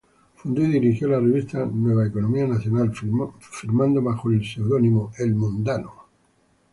Fundó y dirigió la revista "Nueva Economía Nacional", firmando bajo el seudónimo "El Mundano".